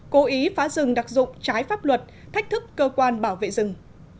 cố ý phá rừng đặc dụng trái pháp luật thách thức cơ quan bảo vệ rừng